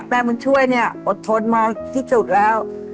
แม่บุญช่วยเนี่ยอดทนมาที่สุดแล้ว